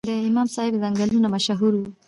د امام صاحب ځنګلونه مشهور وو